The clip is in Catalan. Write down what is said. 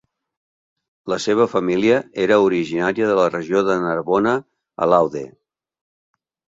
La seva família era originària de la regió de Narbona a l'Aude.